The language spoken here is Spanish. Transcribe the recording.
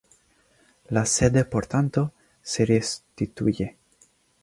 La sede por tanto, se restituye.